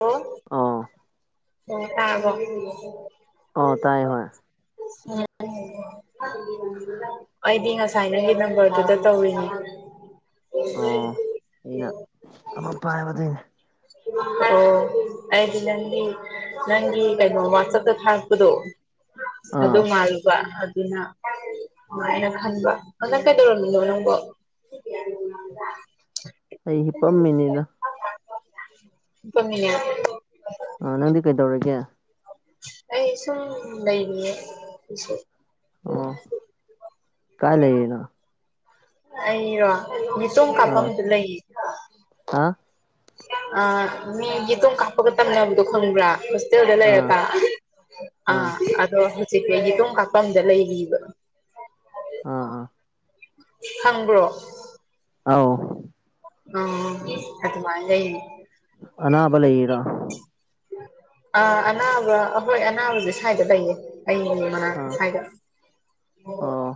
ꯍ [unintelligible] [inaudible] ꯑꯣ ꯍ ꯇꯥꯕꯣ ꯑꯣ ꯇꯥꯏ ꯍꯣꯏ ꯎꯝ [inaudible] ꯑꯩꯗꯤ ꯉꯁꯥꯏ ꯅꯪꯒꯤ ꯅꯝꯕꯔꯗꯨꯗ ꯇꯧꯔꯤꯅꯤ ꯑꯣ ꯑꯣ [unintelligible] [inaudible] ꯑꯩꯅ ꯑꯃ ꯄꯥꯏꯕꯗꯨꯅꯦ ꯑꯣ ꯑꯩꯗꯤ ꯅꯪꯒꯤ ꯅꯪꯒꯤ ꯀꯩꯅꯣ ꯋꯥꯆꯞꯇ ꯊꯥꯔꯛꯄꯗꯣ ꯑꯗꯨ ꯑꯥ ꯃꯥꯜꯂꯨꯕ ꯑꯗꯨꯅ ꯅꯨꯡꯉꯥꯏꯅ ꯈꯟꯕ ꯅꯗꯪ ꯀꯩꯗꯧꯔꯃꯤꯅꯣ ꯅꯪꯕꯣ ꯑꯩ ꯍꯤꯄꯝꯃꯤꯅꯤꯗ ꯀꯃꯤ [unintelligible] [inaudible] ꯑ ꯅꯪꯗꯤ ꯀꯩ ꯇꯧꯔꯒꯦ ꯑꯩ ꯁꯨꯝ ꯂꯩ ꯂꯌꯦ ꯄ ꯑ ꯀꯥꯏ ꯂꯩꯌꯦꯅ ꯑꯩꯔꯣ ꯃꯤꯇꯣꯝ ꯑꯥ ꯀꯥꯞꯐꯝꯗꯨ ꯂꯩꯌꯦ ꯍꯥ ꯑ ꯃꯤ ꯌꯦꯇꯣꯡ ꯀꯥꯞꯄꯒ ꯇꯝꯅꯕꯗꯣ ꯈꯪꯕ꯭ꯔꯥ ꯗꯂ ꯑꯥ ꯌꯦꯔ ꯑ ꯑꯥ ꯑꯗ ꯁꯤ ꯀꯩꯒꯤꯇꯣꯡꯝ ꯀꯥꯛꯄꯝꯗ ꯂꯩꯔꯤꯕ ꯑꯥ ꯑꯥ ꯈꯪꯕ꯭ꯔꯣ ꯑ [inaudible] [unintelligible] ꯑꯣ ꯑꯗꯨ ꯃꯥꯖꯅꯤ ꯑꯅꯥꯕꯂ ꯏꯔ ꯑꯥ ꯑꯅꯥꯕ ꯑꯍꯣꯏ ꯑꯅꯥꯕꯁꯦ ꯁ꯭ꯋꯥꯏꯗ ꯂꯩꯌꯦ ꯑꯩ ꯃꯅꯥ ꯑꯥ ꯍꯥꯏꯒꯠ ꯑꯣ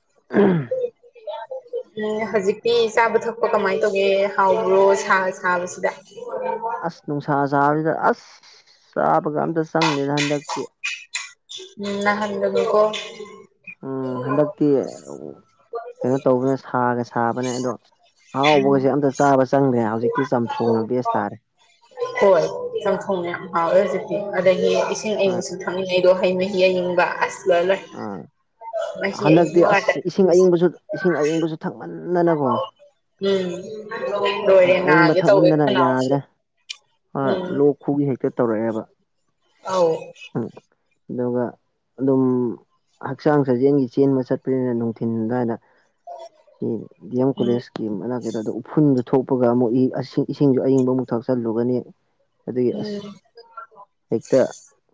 [unintelligible] [inaudible] ꯎꯝ ꯍꯧꯖꯤꯛꯇꯤ ꯆꯥꯕ ꯊꯛꯄ ꯀꯃꯥꯏꯅ ꯇꯧꯒꯦ ꯍꯥꯎꯕ꯭ꯔꯣ ꯁꯥ ꯁꯥꯕꯁꯤꯗ ꯑꯁ ꯅꯨꯡꯁꯥ ꯆꯥꯕꯁꯤꯗ ꯑꯁ ꯆꯥꯕꯒ ꯑꯝꯇ ꯆꯪꯉꯦꯗ ꯍꯟꯗꯛꯇꯤ ꯎꯝ ꯅꯍꯥꯟꯗꯕꯀꯣ ꯎꯝ ꯍꯟꯗꯛꯇꯤ ꯀꯩꯅꯣ ꯇꯧꯕꯅꯦ ꯁꯥꯒ ꯁꯥꯕꯅꯦ ꯑꯗꯣ ꯑꯍꯥꯎꯕꯒꯩꯁꯦ ꯑꯝꯇ ꯆꯥꯕ ꯆꯪꯗ꯭ꯔꯦ ꯍꯧꯖꯤꯛꯇꯤ ꯆꯝꯊꯨꯅ ꯕꯦꯁ ꯇꯥꯔꯦ ꯍꯣꯏ ꯌꯥꯝ ꯐꯣꯡꯉꯦ ꯍꯥꯎꯋꯦ ꯍꯧꯖꯤꯛꯇꯤ ꯑꯗꯒꯤ ꯏꯁꯤꯡ ꯍꯣꯏ ꯑꯌꯤꯡꯛꯁꯨ ꯊꯛꯅꯤꯡꯉꯩꯗꯣ ꯍꯩ ꯃꯍꯤ ꯑꯏꯪꯕ ꯑꯁ ꯂꯣꯏ ꯂꯣꯏ ꯑꯥ ꯃꯍꯤ ꯍꯟꯗꯛꯇꯤ ꯑꯌꯤꯡꯕ ꯉꯥꯛꯇ ꯑꯁ ꯏꯁꯤꯡ ꯊꯛꯅꯤꯡꯉꯤꯁꯦ ꯑꯌꯤꯡꯕꯁꯨ ꯏꯁꯤꯡ ꯑꯌꯤꯡꯕꯁꯨ ꯊꯛꯃꯟ ꯅꯅꯀꯣ ꯎꯝ ꯂꯣꯏꯔꯦ ꯑꯌꯪꯕ ꯅꯥꯒꯦ ꯇꯧꯋꯦ ꯊꯛꯃꯟꯗꯅ ꯈꯅꯥꯎꯁꯨ ꯌꯥꯗ꯭ꯔꯦ ꯍꯣꯏ ꯂꯣꯛ ꯈꯨꯒꯤ ꯍꯦꯛꯇ ꯇꯧꯔꯛꯑꯦꯕ ꯑꯥꯎ [unintelligible] [inaudible] ꯎꯝ ꯑꯗꯨꯒ ꯑꯗꯨꯝ ꯍꯛꯆꯥꯡ ꯁꯥꯖꯦꯜꯒꯤ ꯆꯦꯟꯕ ꯆꯠꯄꯅꯤꯅ ꯅꯨꯡꯊꯤꯟꯜ ꯑꯗꯨꯋꯥꯏꯗ ꯗꯤ ꯑꯦꯝ ꯎꯝ ꯀꯣꯂꯦꯖꯀꯤ ꯀꯩꯗ ꯎꯐꯨꯟꯗ ꯊꯣꯛꯄꯒ ꯑꯃꯨꯛ ꯏꯁꯤꯡꯁꯨ ꯑꯏꯪꯕ ꯑꯃꯨꯛ ꯊꯛꯆꯜꯂꯨꯒꯅꯤ ꯑꯗꯒꯤ ꯑꯁ ꯎꯝ ꯍꯦꯛꯇ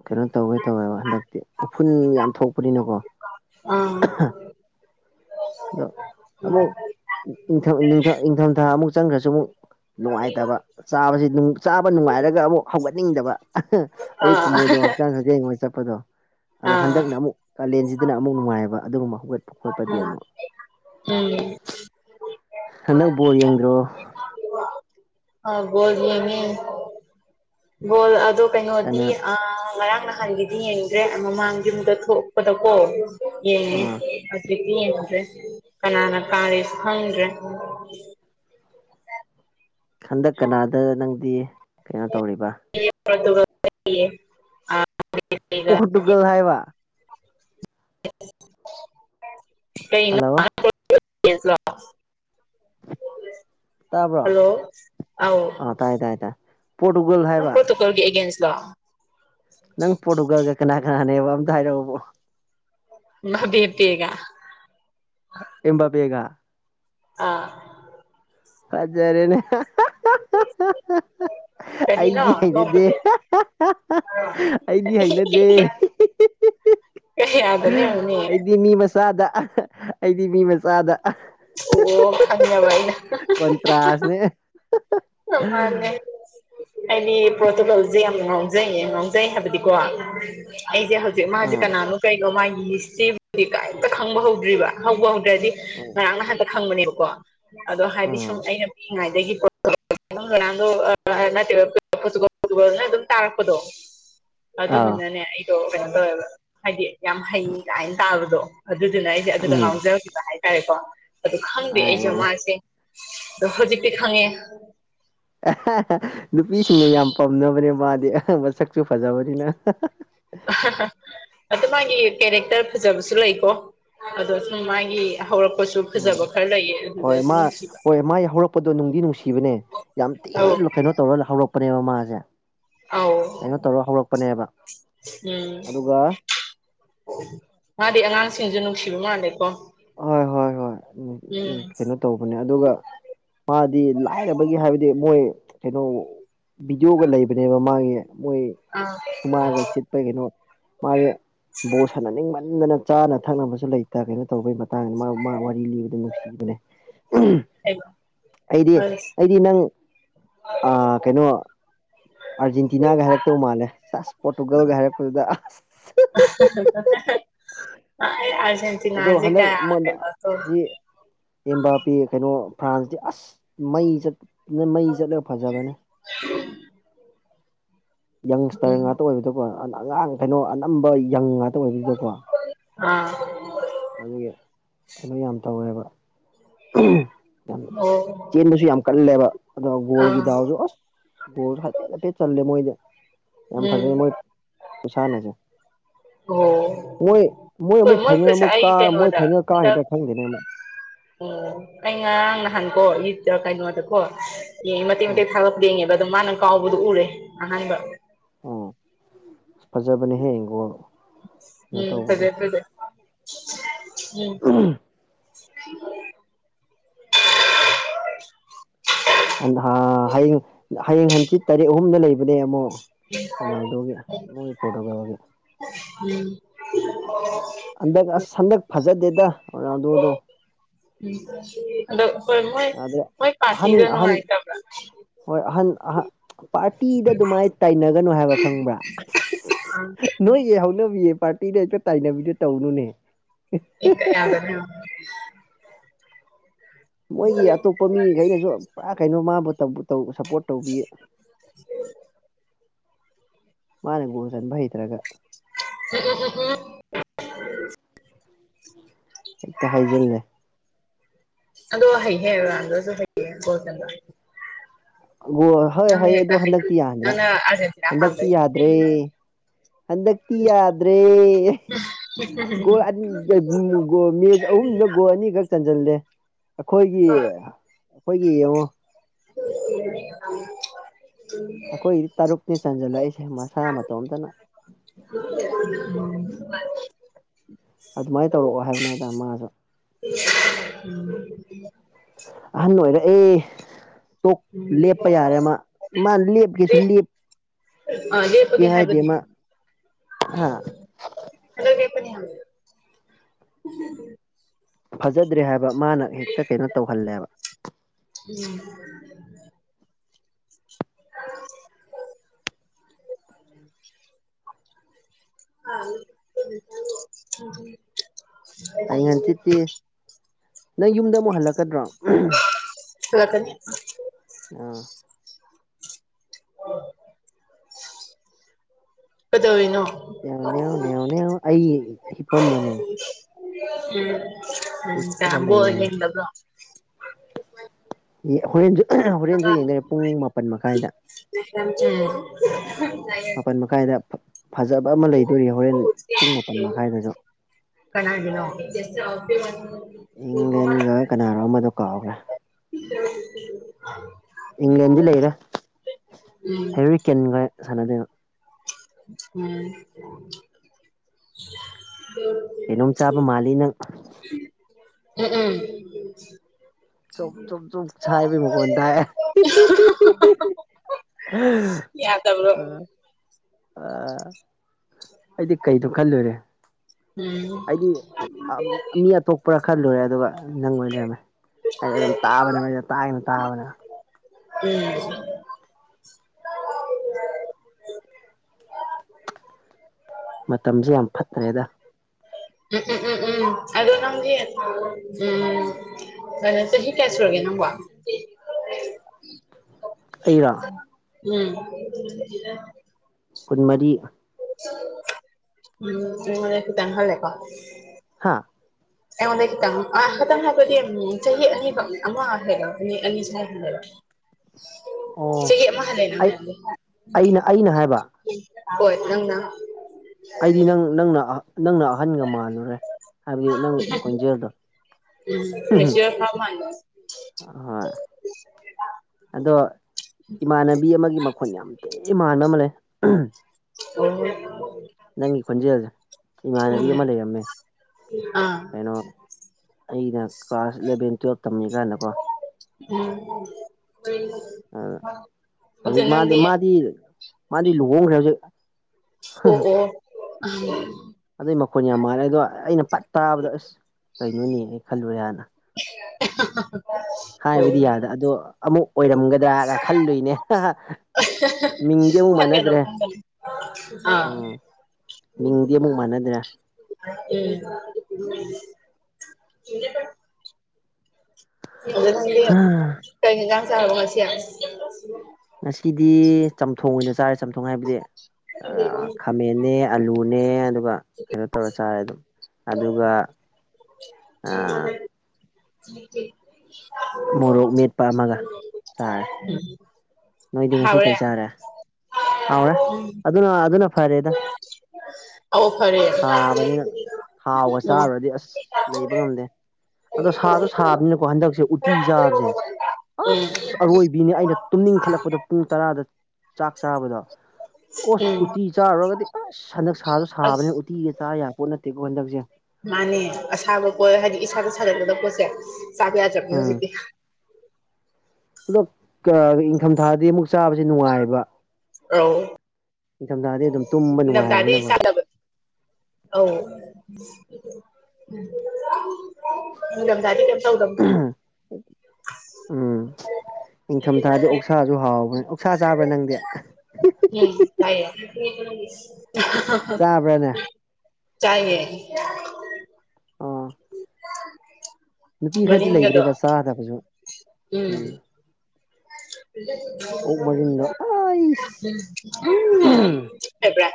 ꯀꯩꯅꯣ ꯇꯧꯒꯦ ꯇꯧꯋꯦꯕ ꯍꯟꯗꯛꯇꯤ ꯎꯐꯨꯟ ꯌꯥꯝ ꯊꯣꯛꯄ ꯄꯨꯅꯀꯣ ꯑꯥ ꯑꯗꯣ ꯎꯝ ꯑꯃꯨꯛꯊ ꯏꯪꯊꯝꯊꯥ ꯑꯃꯨꯛ ꯆꯪꯈ꯭ꯔꯁꯨ ꯑꯃꯨꯛ ꯅꯨꯡꯉꯥꯏꯇꯕ ꯆꯥꯕꯁꯤ ꯆꯥꯕ ꯅꯨꯡꯉꯥꯏꯔꯒ ꯑꯃꯨꯛ ꯍꯧꯒꯠꯅꯤꯡꯗꯕ ꯑꯌꯨꯛ ꯑꯥ ꯀꯨꯝꯃꯨꯗꯣ ꯍꯛꯆꯥꯡ ꯁꯥꯖꯦꯜꯉꯣꯏ ꯆꯠꯄꯗꯣ ꯑꯗꯣ ꯑꯥ ꯍꯟꯗꯛꯅ ꯑꯃꯨꯛ ꯀꯥꯂꯦꯟꯁꯤꯗꯅ ꯑꯃꯨꯛ ꯅꯨꯡꯉꯥꯏꯑꯕ ꯑꯗꯨꯒꯨꯝꯕ ꯍꯧꯒꯠꯄ ꯈꯣꯠꯄꯗꯤ ꯑꯃꯨꯛ ꯎꯝ ꯍꯟꯗꯛꯄꯕꯣꯔ ꯌꯦꯡꯗ꯭ꯔꯣ ꯑ ꯕꯣꯜ ꯌꯦꯡꯉ ꯕꯣꯜ ꯑꯗꯣ ꯀꯩꯅꯣꯗꯤ ꯀꯅꯥ ꯑ ꯉꯔꯥꯡ ꯅꯍꯥꯟꯒꯤꯗꯤ ꯌꯦꯡꯗ꯭ꯔꯦ ꯃꯃꯥꯡꯒꯤ ꯑꯃꯨꯗ ꯊꯣꯛꯄꯗꯀꯣ ꯑꯥ ꯌꯦꯡꯉꯦ ꯍꯧꯀꯤ ꯦ ꯀꯅꯥꯅ ꯀꯥꯁ ꯈꯪ꯭ꯔꯦ ꯍꯟꯗꯛ ꯀꯅꯥꯗ ꯅꯪꯗꯤ ꯀꯩꯅꯣ ꯇꯧꯔꯤꯕ ꯦ ꯑ ꯀꯩꯒ ꯄꯣꯈꯠ ꯇꯨꯒꯜ ꯍꯥꯏꯥꯏꯕ ꯀ ꯍꯜꯂꯣ ꯇꯥꯕ꯭ꯔꯣ ꯍꯜꯂꯣ ꯑꯥꯎ ꯑꯥ ꯇꯥꯏ ꯇꯥꯏ ꯇꯥꯏ ꯄꯣꯔꯇꯨꯒꯜ ꯅꯪ ꯍꯥꯏꯕ ꯀꯣꯠꯇ ꯀꯔꯒꯤ ꯑꯦꯒꯦꯟꯁ ꯂ ꯅꯪ ꯄꯣꯠꯨꯒꯒ ꯀꯅꯥ ꯀꯅꯥꯅꯦꯕ ꯑꯝꯇ ꯍꯥꯏꯔꯛꯑꯣꯕꯣ ꯃꯥ ꯇꯑꯒ ꯏꯕ ꯦꯒ ꯑꯥ ꯍꯖꯔꯦꯅꯦ ꯀꯔꯤꯅꯣ ꯑꯩꯗꯤ ꯍꯩꯅꯗꯦ ꯅꯣꯛꯄꯁꯦ ꯑꯩꯗꯤ ꯍꯩꯅꯗꯦ ꯀ ꯌꯥꯗꯅꯅꯤ ꯆꯥꯗ ꯑꯩꯗꯤ ꯃꯤ ꯃꯆꯥꯗ ꯑꯣ ꯈꯅꯕꯏꯅ ꯀꯣꯟꯇ꯭ꯔꯥꯁꯅꯦ ꯑ ꯃꯥꯅꯦ ꯑꯩꯗꯤ ꯄ꯭ꯔꯣꯇꯨꯒꯣꯜꯁꯦ ꯌꯥꯝ ꯉꯥꯎꯖꯩꯌꯦ ꯉꯥꯎꯖꯩ ꯍꯥꯏꯕꯗꯤꯀꯣ ꯑꯩꯁꯦ ꯍꯧꯖꯤꯛ ꯃꯥꯁꯦ ꯀꯣ ꯎꯝ ꯀꯅꯥꯅꯣ ꯀꯩꯒꯣ ꯃꯥꯒꯤ ꯃꯤꯁꯇ꯭ꯔꯤꯗꯤ ꯀꯩꯝꯇ ꯈꯪꯕ ꯍꯧꯗ꯭ꯔꯤꯕ ꯍꯧꯕ ꯍꯧꯗ꯭ꯔꯗꯤ ꯎꯝ ꯍꯟꯗꯛ ꯈꯪꯕꯅꯦꯕꯀꯣ ꯑꯗꯣ ꯍꯥꯏꯗꯤ ꯎꯝ ꯁꯨꯝ ꯑꯩꯅ ꯄꯤꯛꯏꯉꯩꯗꯒꯤꯣ ꯅꯗꯣ ꯑꯗꯨꯝ ꯇꯥꯔꯛꯄꯗꯣ ꯑꯥ ꯑꯗꯨꯗꯨꯅꯅꯦ ꯑꯩꯗꯣ ꯀꯩꯅꯣ ꯇꯧꯋꯦꯕ ꯍꯥꯏꯗꯤ ꯌꯥꯝ ꯍꯩ ꯀꯥꯏꯅ ꯇꯥꯕꯗꯣ ꯑꯗꯨꯗꯨꯅ ꯑꯩꯁꯦ ꯑꯗꯨꯗ ꯎꯝ ꯉꯥꯎꯖꯈꯤꯕ ꯍꯥꯏꯇꯥꯔꯦꯀꯣ ꯑꯗꯨ ꯈꯪꯗꯦ ꯑꯩꯁꯦ ꯑꯩ ꯃꯥꯁꯦ ꯑꯗꯨ ꯍꯧꯖꯤꯛꯇꯤ ꯈꯉꯦ ꯅꯨꯄꯤꯁꯤꯡꯅ ꯌꯥꯝ ꯄꯥꯝꯅꯕꯅꯦ ꯃꯥꯗꯤ ꯑꯍ ꯃꯁꯛꯁꯨ ꯐꯖꯕꯅꯤꯅ [unintelligible] ꯑꯗꯨ ꯃꯥꯒꯤ ꯀꯦꯔꯦꯛꯇꯔ ꯐꯖꯕꯁꯨ ꯂꯩꯀꯣ ꯑꯗꯣ ꯁꯨꯝ ꯃꯥꯒꯤ ꯍꯧꯔꯛꯄ ꯁꯨ ꯐ ꯎꯝ ꯈꯖꯥ ꯈꯔ ꯂꯩ ꯍꯣꯏ ꯃꯥ ꯍꯣꯏ ꯃꯥ ꯍꯧꯔꯛꯄꯗꯣ ꯅꯨꯡꯗꯤ ꯅꯨꯡꯁꯤꯕꯅꯦ ꯌꯥꯝ ꯑꯧ ꯊꯤꯅ ꯀꯩꯅꯣ ꯇꯧꯔ ꯍꯧꯔꯛꯄ ꯅꯦꯦꯕ ꯃꯥꯖꯦ ꯀꯩꯅꯣ ꯑꯧ ꯇꯧꯔ ꯍꯧꯔꯛꯄꯅꯦꯕ ꯎꯝ ꯑꯗꯨꯒ ꯃꯥꯗꯤ ꯑꯉꯥꯡꯁꯤꯡꯁꯨ ꯅꯨꯡꯁꯤꯕ ꯃꯥꯜꯂꯦꯀꯣ ꯍꯣꯏ ꯍꯣꯏ ꯍꯣꯏ ꯎꯝ ꯀꯩꯅꯣ ꯇꯧꯕꯅꯦ ꯑꯗꯨꯒ ꯃꯥꯗꯤ ꯂꯥꯏꯔꯕꯒꯤ ꯍꯥꯏꯕꯗꯤ ꯃꯣꯏ ꯀꯩꯅꯣ ꯚꯗꯤꯑꯣꯒ ꯂꯩꯕꯅꯦꯕ ꯃꯥꯒꯤ ꯃꯣꯏ ꯑꯥ ꯁꯨꯃꯥꯡꯒ ꯁꯤꯠꯄ ꯀꯩꯅꯣ ꯃꯥꯁꯦ ꯕꯣꯠ ꯁꯥꯟꯅꯅꯤꯡꯃꯟꯗꯅ ꯆꯥꯅ ꯊꯛꯅꯕꯁꯨ ꯂꯩꯇ ꯀꯩꯅꯣ ꯇꯧꯕꯒꯤ ꯃꯇꯥꯡꯗ ꯃꯥ ꯃꯥ ꯋꯥꯔꯤ ꯂꯤꯕꯗ ꯅꯨꯡꯁꯤꯕꯅꯦ ꯑꯩꯗꯤ ꯑꯩꯗꯤ ꯅꯪ ꯑ ꯀꯩꯅꯣ ꯑꯥꯔꯖꯦꯟꯇꯤꯅꯥꯒ ꯍꯥꯏꯔꯛꯇꯧ ꯃꯥꯜꯂꯦ ꯑꯁ ꯄꯣꯔꯇꯨꯒꯜꯒ ꯍꯥꯏꯔꯛꯄꯗꯨꯗ ꯑꯁ ꯑ ꯑꯗꯣ ꯍꯟꯗꯛ ꯑꯩꯣꯟꯗ ꯇꯧ ꯁꯤ ꯑꯕꯄꯤ ꯀꯩꯅꯣ ꯐ꯭ꯔꯥꯟꯁꯇꯤ ꯑꯁ ꯃꯩ ꯆꯠꯅ ꯃꯩ ꯆꯠꯂꯒ ꯐꯖꯕꯅꯦ ꯌꯪꯁꯇꯔ ꯎꯝ ꯉꯥꯛꯇ ꯑꯣꯏꯕꯗꯀꯣ ꯑꯉꯥꯡ ꯀꯩꯅꯣ ꯑꯅꯝꯕ ꯌꯪ ꯇ ꯑꯣꯏꯕꯗꯨꯗꯀꯣ ꯑꯥ ꯑꯗꯨꯒꯤ ꯀꯩꯅꯣ ꯌꯥꯝ ꯇꯧꯋꯦꯕ ꯌꯥꯝ ꯑꯣ ꯆꯦꯟꯕꯁꯨ ꯌꯥꯝ ꯀꯜꯂꯦꯕ ꯑ ꯒꯣꯜꯒꯤ ꯑꯥ ꯗꯥꯎꯁꯨ ꯑꯁ ꯕꯣꯜꯁꯨ ꯍꯥꯏꯐꯦꯠ ꯍꯥꯏꯐꯦꯠ ꯆꯜꯂꯦ ꯃꯣꯏꯗꯤ ꯌꯥꯝ ꯐꯖꯩ ꯎꯝ ꯃꯣꯏ ꯈꯨꯁꯥꯟꯅꯁꯦ ꯑꯣ ꯃꯣꯏ ꯃꯣꯏ ꯍꯣꯏ ꯑꯃꯨꯛ ꯐꯥꯏꯅꯦꯜ ꯄꯩꯁꯥ ꯑꯃꯨꯛ ꯀꯥ ꯑꯩ ꯃꯣꯏ ꯀꯩꯅꯣꯗ ꯐꯥꯏꯅꯦꯜ ꯀꯥ ꯍꯟꯗꯛ ꯍꯦꯛꯇ ꯈꯪꯗꯦꯅꯦꯃ ꯑꯣ ꯑꯩ ꯉꯔꯥꯡ ꯅꯍꯥꯟꯀꯣ ꯃꯤꯠꯇ ꯀꯩꯅꯣꯗꯀꯣ ꯌꯦ ꯃꯇꯦꯛ ꯑꯥ ꯃꯇꯦꯛ ꯊꯥꯂꯛꯄ ꯌꯦꯉꯦꯕ ꯑ ꯃꯥꯅ ꯀꯥꯎꯕꯗꯨ ꯎꯔꯦ ꯑꯍꯥꯟꯕ ꯑꯣ ꯐꯖꯕꯅꯦ ꯍꯦ ꯏꯣ ꯎꯝ ꯐꯔꯦ ꯐꯔꯦ ꯎꯝ [unintelligible] ꯍꯌꯦꯡ ꯍꯌꯦꯡ ꯍꯪꯆꯤꯠ ꯇꯔꯦꯠ ꯑꯍꯨꯝꯗ ꯂꯩꯕꯅꯦ ꯑꯃꯨꯛ ꯔꯣꯅꯥꯜꯗꯣꯒꯤ ꯏꯕꯨꯡꯒꯤ ꯄꯣꯔꯇꯨꯒꯜꯒꯤ ꯎꯝ ꯍꯟꯗꯛ ꯑꯁ ꯍꯟꯗꯛ ꯐꯖꯗꯦꯗ ꯔꯣꯅꯥꯜꯗꯣꯗꯣ ꯎꯝ ꯍꯗ ꯍꯣꯏ ꯃꯣꯏ ꯌꯥꯗ꯭ꯔꯦ ꯃꯣꯏ ꯑꯍꯟ ꯑꯍꯟ ꯄꯥꯇꯔꯅꯅꯨꯡꯉꯥꯏ ꯇꯥ ꯍꯣꯏ ꯑꯍꯟ ꯑ ꯄꯥꯔꯇꯤꯗ ꯑꯗꯨꯃꯥꯏꯅ ꯇꯥꯏꯅꯒꯅꯨ ꯍꯥꯏꯕ ꯈꯪꯕ꯭ꯔꯥ ꯅꯣꯏꯌꯦ ꯍꯧꯅꯕꯤꯌꯦ ꯄꯥꯔꯇꯤꯗ ꯍꯛꯇ ꯇꯥꯏꯅꯕꯤꯗ ꯇꯧꯅꯨꯅꯦ ꯏ ꯌꯥꯗꯅ ꯃꯣꯏꯒꯤ ꯑꯇꯣꯞꯄ ꯃꯤꯈꯩꯅꯁꯨ ꯄꯨꯔꯥ ꯀꯩꯅꯣ ꯃꯥꯕꯨ ꯇꯧꯕ ꯁꯞꯄꯣꯔꯠ ꯇꯧꯕꯤ ꯃꯥꯅꯦꯒꯣ ꯆꯟꯕ ꯍ ꯇ꯭ꯔꯒ ꯍ ꯍ ꯍ ꯍꯦꯛꯇ ꯍꯥꯏꯖꯤꯜꯂꯦ ꯑꯗꯣ ꯍꯩꯦꯗꯁꯨ ꯍꯩꯦꯣꯜ ꯆ ꯣ ꯍꯣꯏ ꯍꯣꯏ ꯑꯗꯣ ꯍꯟꯗꯛꯇꯤ ꯌꯥꯗ꯭ꯔꯥ ꯅꯪꯅ ꯑꯥꯔꯖꯦꯟꯇꯤꯅꯥ ꯍꯟꯗꯛꯇꯤ ꯄꯥꯝꯕꯩ ꯌꯥꯗ꯭ꯔꯦ ꯍꯟꯗꯛꯇꯤ ꯌꯥꯗ꯭ꯔꯦꯦ ꯑꯍꯨꯝꯗ ꯒꯣꯜ ꯑꯅꯤꯈꯛ ꯆꯟꯁꯤꯜꯂꯦ ꯑꯩꯈꯣꯏꯒꯤ ꯑꯩꯈꯣꯏꯒꯤ ꯌꯦꯡꯉꯣ ꯎ ꯑꯩꯈꯣꯏꯗꯤ ꯇꯔꯨꯛꯅꯦ ꯆꯟꯁꯤꯜꯂꯛꯏꯁꯦ ꯃꯁꯥ ꯃꯇꯣꯝꯇꯅ [inaudible] ꯑꯗꯨꯃꯥꯏꯅ ꯇꯧꯔꯛꯑꯣ ꯍꯥꯏꯕꯅꯦ ꯍꯥꯏꯇꯥꯔꯦ ꯃꯥꯁꯨ ꯎꯝ ꯑꯍꯟ ꯅꯨꯡꯉꯥꯏꯔ ꯑꯦ ꯣꯛ ꯂꯦꯞꯄ ꯌꯥꯔꯦ ꯃꯥ ꯃꯥ ꯂꯦꯞꯀꯤꯁꯨꯞ ꯑ ꯂꯦꯞꯄꯒꯦ ꯍꯥꯏꯕꯗꯤ ꯍꯥ ꯍꯂ [inaudible] ꯐꯖꯗ꯭ꯔꯦ ꯍꯥꯏꯕ ꯃꯥꯅ ꯍꯦꯛꯇ ꯀꯩꯅꯣ ꯇꯧꯍꯜꯂꯦꯕ ꯎꯝ [inaudible] ꯝ ꯍꯌꯦꯡ ꯍꯪꯆꯤꯠꯇꯤ ꯎ ꯅꯪ ꯌꯨꯝꯗ ꯑꯃꯨꯛ ꯍꯜꯂꯛꯀꯗ꯭ꯔꯣ ꯍꯂ ꯀꯅꯤ ꯑꯥ ꯑ ꯀꯗꯋꯅꯣ ꯌꯥꯎꯅꯦꯅꯦꯎꯅꯦ ꯑꯩ ꯍꯤꯄꯝꯕꯅꯦ ꯎꯝ ꯎꯝ ꯀꯌꯥꯝꯕꯣ ꯂꯩꯔꯤꯅꯦ ꯍꯗꯕ꯭ꯔꯣ ꯍꯣꯔꯦꯟꯁꯨ ꯍꯣꯔꯦꯟꯁꯨ ꯌꯦꯡꯗꯔꯦ ꯄꯨꯡ ꯃꯥꯄꯜ ꯃꯈꯥꯏꯗ ꯂꯝꯆ ꯑꯄꯟ ꯃ ꯀꯥꯏꯗ ꯐꯖꯕ ꯑꯃ ꯂꯩꯗꯣꯔꯤ ꯍꯣꯔꯦꯟ ꯄꯨꯡ ꯃꯥꯄꯜ ꯃꯈꯥꯏꯗꯁꯨ ꯑꯗꯨꯃ ꯏꯪꯂꯦꯟꯒ ꯀꯅꯥꯅꯣ ꯑꯃꯗꯣ ꯀꯥꯎꯈ꯭ꯔꯦ [unintelligible] ꯏꯪꯂꯦꯟꯗꯤ ꯂꯩꯔꯦ ꯎꯝ ꯍꯦꯔꯤ ꯀꯦꯟꯒ ꯁꯥꯟꯅꯗꯣꯏꯕ ꯎꯝ ꯀꯩꯅꯣꯝ ꯆꯥꯕ ꯃꯥꯜꯂꯤ ꯅꯪ ꯎꯝ ꯎꯝ ꯆꯞ ꯆꯞ ꯆꯨꯞ ꯁꯥꯏꯕꯩ ꯃꯣꯟ ꯇꯥꯏ ꯌꯥꯗꯕ꯭ꯔꯣ ꯎꯝ ꯑ ꯑꯩꯗꯤ ꯀꯩꯗꯣ ꯈꯜꯂꯨꯔꯦ ꯎꯝ ꯎꯝ ꯑꯩꯗꯤ ꯃꯤ ꯑꯇꯣꯞꯄꯔꯥ ꯈꯔ ꯂꯨꯔꯦ ꯑꯗꯨꯒ ꯅꯪ ꯑꯣꯏꯅ ꯂꯩꯔꯝꯃꯦ ꯑꯩ ꯑꯗꯨꯝ ꯇꯥꯕꯅꯦ ꯑꯩ ꯇꯥꯡꯅ ꯇꯥꯕꯅꯦ ꯎꯝ [inaudible] ꯃꯇꯝꯁꯦ ꯌꯥꯝ ꯐꯠꯇ꯭ꯔꯦꯗ ꯎꯝ ꯎꯝ ꯎꯝ ꯎꯝ ꯑꯗꯨ ꯅꯝꯗꯤ ꯎꯝ ꯎꯝ ꯀꯔꯠꯇ ꯍ ꯀꯌꯥꯁ ꯑꯣꯏꯔꯒꯦ ꯅ ꯋꯥ ꯑꯩꯔ ꯎꯝ ꯈꯨꯟꯃꯔꯤ ꯃ ꯇꯪꯍꯂꯦ ꯀ ꯍꯥꯥ ꯑꯩꯉꯣꯟꯗ ꯈꯤꯇꯪ ꯈꯤꯇꯪ ꯍꯥꯏꯕꯗꯤ ꯆꯍꯤ ꯑꯅꯤꯈꯛ ꯑꯃ ꯍꯥꯏꯔꯣ ꯃꯤ ꯑꯅꯤ ꯁꯦ ꯍꯥꯏ ꯍꯥꯏꯔꯣ ꯑꯣ ꯆꯒꯠ ꯑꯩ ꯃꯍꯜꯂꯦꯅ ꯑꯩꯅ ꯑꯩꯅ ꯍꯥꯏꯕ ꯍꯣꯏ ꯂꯪꯗ ꯑꯩꯗꯤ ꯅꯪ ꯅꯪꯅ ꯅꯪꯅ ꯑꯍꯟꯒ ꯃꯥꯜꯂꯨꯔꯦ ꯍꯥꯏꯕꯗꯤ ꯅꯪ ꯈꯣꯟꯖꯦꯜꯗꯣ ꯎ ꯃꯤꯁꯤꯔ ꯐꯥ ꯃꯥꯥꯟꯂ ꯍꯣꯏ ꯑꯗꯣ ꯏꯃꯥꯟꯅꯕꯤ ꯑꯃꯒꯤ ꯃꯈꯣꯟ ꯌꯥꯝ ꯇꯦ ꯃꯥꯟꯕ ꯑꯃ ꯂꯩ ꯑꯣ ꯅꯪꯒꯤ ꯈꯣꯟꯖꯦꯜꯁꯦ ꯏꯃꯥꯟꯅꯕꯤ ꯑꯃ ꯂꯩꯔꯝꯃꯦ ꯑꯥ ꯀꯩꯅꯣ ꯑꯩꯅ ꯀ꯭ꯂꯥꯁ ꯏꯂꯚꯦꯟ ꯇꯨꯋꯜꯞ ꯇꯝꯃꯤ ꯀꯥꯟꯗꯀꯣ ꯎꯝ ꯑ ꯑꯗꯨ ꯍꯧꯖꯤꯛ ꯃꯥꯗꯤ ꯅꯪꯗꯤ ꯃꯥꯗꯤ ꯃꯥꯗꯤ ꯂꯨꯍꯣꯡꯈ꯭ꯔꯦ ꯍꯧꯖꯤꯛ ꯑꯣ ꯑꯣ ꯑꯗꯨꯏ ꯃꯈꯣꯟ ꯌꯥꯝ ꯃꯥꯜꯂꯦ ꯑꯗꯣ ꯑꯩꯅ ꯄꯠ ꯇꯥꯕꯗ ꯑꯁ ꯀꯩꯅꯣꯅꯤ ꯑꯩ ꯈꯜꯂꯨꯔꯦ ꯍꯥꯟꯅ [unintelligible] ꯍꯥꯏꯕꯗꯤ ꯌꯥꯗ ꯑꯗꯣ ꯑꯃꯨꯛ ꯑꯣꯏꯔꯝꯒꯗ꯭ꯔꯥꯒ ꯈꯜꯂꯨꯏꯅꯦ ꯃꯤꯡꯗꯤ ꯑꯃꯨꯛ ꯊꯣꯣ ꯃꯥꯟꯅꯗ꯭ꯔꯦ ꯑ ꯎꯝ ꯃꯤꯡꯗꯤ ꯑꯃꯨꯛ ꯃꯥꯟꯅꯗ꯭ꯔꯥ ꯎꯝ ꯏ ꯀ ꯀ ꯆꯕꯁꯤ ꯌꯥ ꯉꯁꯤꯗꯤ ꯆꯝꯊꯣꯡ ꯑꯣꯏꯅ ꯆꯥꯔꯦ ꯆꯝꯊꯣꯡ ꯍꯥꯏꯕꯗꯤ ꯈꯥꯃꯦꯟꯟꯅ ꯑꯂꯨꯅꯦ ꯑꯗꯨꯒ ꯀꯩꯅꯣ ꯇꯧꯔ ꯆꯥꯔꯦ ꯑꯗꯨꯝ ꯑꯗꯨꯒ ꯃ ꯃꯣꯔꯣꯛ ꯃꯦꯠꯄ ꯑꯃꯒ ꯆꯥꯔꯦ ꯎꯝ ꯅꯣꯏꯗꯤ ꯉꯁꯤ ꯀꯩ ꯆꯥꯔꯦ ꯍꯥꯎꯔꯦ ꯑꯗꯨꯅ ꯑꯗꯨꯅ ꯐꯔꯦꯗ ꯑꯧ ꯐꯔꯦ ꯁꯥꯕꯅꯤꯅ ꯊꯥꯎꯒ ꯎꯝ ꯆꯥꯔꯨꯔꯗꯤ ꯑꯁ ꯂꯩꯕ ꯉꯝꯗꯦ ꯑꯗꯣ ꯁꯥꯁꯨ ꯁꯥꯕꯅꯤꯅꯀꯣ ꯍꯟꯗꯛꯁꯦ ꯎꯇꯤ ꯆꯥꯕꯁꯦ ꯎꯝ ꯑꯁ ꯑꯔꯣꯏꯕꯤꯅꯤ ꯑꯩꯅ ꯇꯨꯝꯅꯤꯡꯈꯠꯂꯛꯄ ꯄ ꯇꯔꯥꯗ ꯆꯥꯛ ꯆꯥꯕꯗꯣ ꯑꯣꯁ ꯎꯝ ꯎꯇꯤ ꯆꯥꯔꯨꯔꯒꯗꯤ ꯑꯁ ꯍꯟꯗꯛ ꯁꯥꯁꯨ ꯁꯥꯕꯅꯦ ꯑꯁ ꯎꯇꯤꯒ ꯆꯥ ꯌꯥꯕꯄꯣꯠ ꯅꯠꯇꯦꯀꯣ ꯍꯟꯗꯛꯁꯦ ꯃꯥꯅꯦ ꯑꯁꯥꯕ ꯄꯣ ꯍꯥꯏꯗꯤ ꯏꯁꯥꯗ ꯁꯥꯒꯠꯒꯗꯕ ꯄꯣꯠꯁꯦ ꯆꯥꯕ ꯌꯥꯗꯕꯒꯦ ꯎꯝ ꯍꯧꯖꯤꯛꯇꯤ ꯑꯗꯣ ꯏꯪꯊꯝꯊꯥꯗꯤ ꯑꯃꯨꯛ ꯆꯥꯕꯁꯦ ꯅꯨꯡꯉꯥꯏꯌꯦꯕ ꯑ ꯑꯗꯨꯝ ꯇꯨꯝꯕ ꯏꯝꯗꯥꯗꯤ ꯅꯨꯡꯉꯥꯏꯕꯅꯤꯅꯀꯣ ꯆꯗꯕ ꯑ ꯎꯝ ꯒꯝ ꯊꯗꯤ ꯀ ꯁꯧꯗꯝ ꯅꯤꯡꯊꯝꯊꯥꯗꯤ ꯑꯣꯛꯁꯥꯁꯨ ꯍꯥꯎꯕ꯭ꯔꯅꯦ ꯑꯣꯛꯁꯥ ꯆꯥꯕ꯭ꯔꯥ ꯅꯪꯗꯤ ꯎꯝ ꯇꯥꯏꯌꯦ ꯆꯥꯕ꯭ꯔꯥꯅꯦ ꯆꯌꯦ ꯑꯣ ꯎꯝ ꯅꯨꯄꯤ ꯈꯔꯗꯤ ꯂꯩꯕ꯭ꯔꯦꯕ ꯆꯥꯗꯕꯁꯨ ꯎꯝ ꯑꯣꯛ ꯑꯣꯛꯃꯔꯤꯟꯗꯣ ꯑꯩꯁ ꯎ ꯑꯦꯕ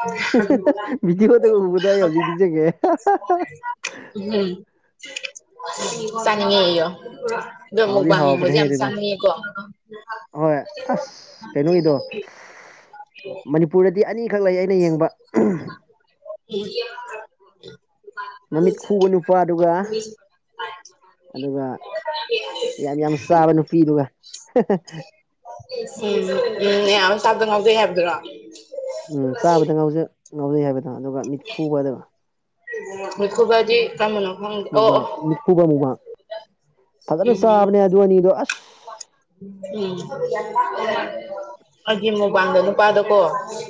ꯕꯤꯗꯤ ꯍꯠꯇꯒ ꯍꯨꯝꯕꯗꯏ ꯍꯧꯖꯤꯛꯇ ꯅꯤꯡ ꯆꯪꯉꯦ ꯎꯝ ꯆꯥꯅꯤꯡꯉꯤꯣ ꯑꯗꯣ ꯑꯃꯨꯛ ꯍꯥꯎꯗꯤ ꯋꯥꯡ ꯌꯦꯡꯕꯁꯦ ꯍꯥꯎꯕꯅꯦꯍꯦ ꯌꯥꯝ ꯑꯗꯨꯗꯣ ꯆꯥꯅꯤꯡꯉꯦꯀꯣ ꯍꯣꯏ ꯎꯝ ꯑꯁ ꯀꯩꯅꯣꯒꯤꯗꯣ ꯃꯅꯤꯄꯨꯔꯗꯗꯤ ꯑꯅꯤ ꯎꯝ ꯃꯃꯤꯠ ꯈꯨꯕ ꯅꯨꯄꯥ ꯑꯗꯨꯒ ꯑꯗꯨꯒ ꯌꯥꯝ ꯌꯥꯝ ꯆꯥꯕ ꯅꯨꯄꯤꯗꯨꯒ ꯎꯝ ꯎꯝ ꯑꯌꯥꯝ ꯇꯥꯞꯇ ꯉꯥꯎꯖꯩ ꯍꯥꯏꯕꯗꯨꯔꯣ ꯎꯝ ꯆꯥꯕꯗ ꯉꯖ ꯉꯥꯎꯖꯩ ꯍꯥꯏꯕꯗ ꯑꯗꯨꯒ ꯃꯤꯠ ꯈꯨꯨꯒꯗꯕ ꯈꯨꯕꯖꯤ ꯀꯥꯃꯅ ꯃꯨꯕꯥ ꯃꯤꯠꯄꯨꯕ ꯃꯨꯕꯥ ꯐꯖꯅ ꯎꯝ ꯁꯥꯕꯅꯦ ꯑꯗꯨ ꯑꯅꯤꯗꯣ ꯑꯁ ꯎꯝ ꯑꯩꯒꯤ ꯃꯨꯕꯥꯝꯗ ꯅꯨꯄꯥꯗꯀꯣ